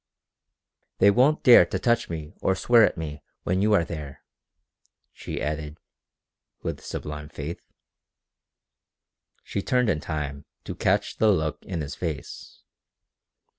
"They won't dare to touch me or swear at me when you are there," she added, with sublime faith. She turned in time to catch the look in his face.